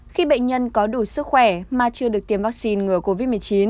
khi bệnh nhân có đủ sức khỏe mà chưa được tiêm vaccine ngừa covid một mươi chín